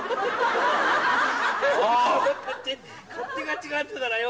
勝手が違うからよ。